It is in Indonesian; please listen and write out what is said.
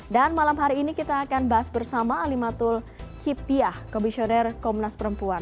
dan malam hari ini kita akan bahas bersama alimatul kipiah komisioner komunas perempuan